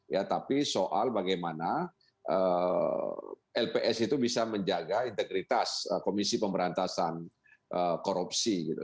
ya tapi soal bagaimana lps itu bisa menjaga integritas komisi pemberantasan korupsi gitu